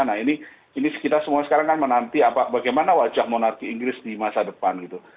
nah ini kita semua sekarang kan menanti bagaimana wajah monarki inggris di masa depan gitu